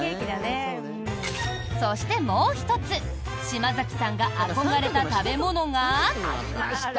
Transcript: そして、もう１つ島崎さんが憧れた食べ物が。